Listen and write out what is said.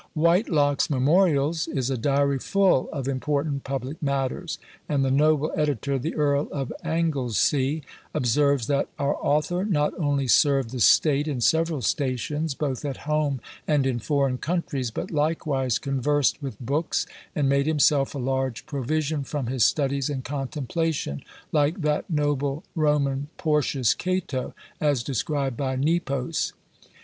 Whitelocke's "Memorials" is a diary full of important public matters; and the noble editor, the Earl of Anglesea, observes, that "our author not only served the state, in several stations, both at home and in foreign countries, but likewise conversed with books, and made himself a large provision from his studies and contemplation, like that noble Roman Portius Cato, as described by Nepos.